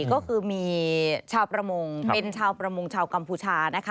ก็คือมีชาวประมงเป็นชาวประมงชาวกัมพูชานะคะ